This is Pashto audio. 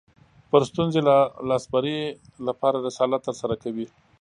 پر ستونزې لاسبري لپاره رسالت ترسره کوي